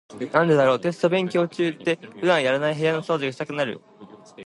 なんでだろう、テスト勉強中って普段やらない部屋の掃除がしたくなる。